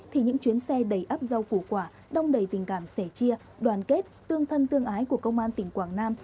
thì những chuyến xe đầy áp rau củ quả đong đầy tình cảm sẻ chia đoàn kết tương thân tương ái của công an tỉnh quảng nam